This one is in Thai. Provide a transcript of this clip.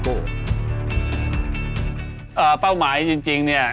กลับมาคนนี้เลยเนี่ย